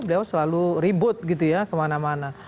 beliau selalu ribut gitu ya kemana mana